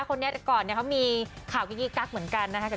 คนนี้ก่อนเขามีข่าวกิ๊กกิ๊กั๊กเหมือนกันนะครับ